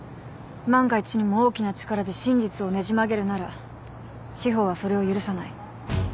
万が一にも大きな力で真実をねじ曲げるなら司法はそれを許さない。